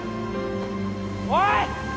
おい！